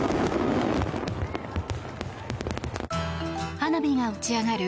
花火が打ち上がる